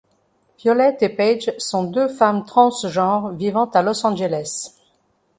Violet et Paige sont deux femmes transgenres vivant à Los Angeles.